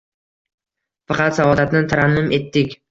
Faqat saodatni tarannum etdik.